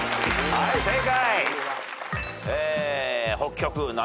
はい正解。